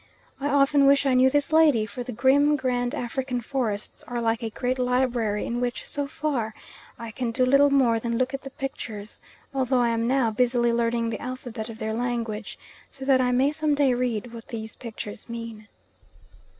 I often wish I knew this lady, for the grim, grand African forests are like a great library, in which, so far, I can do little more than look at the pictures, although I am now busily learning the alphabet of their language, so that I may some day read what these pictures mean.